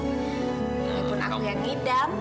ya pun aku yang ngedam